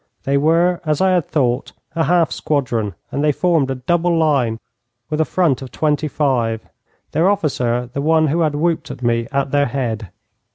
They were, as I had thought, a half squadron, and they formed a double line with a front of twenty five, their officer the one who had whooped at me at their head.